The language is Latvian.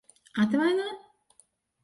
Atvaino?